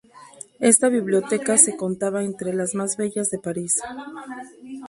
Esta biblioteca se contaba entre las más bellas de París.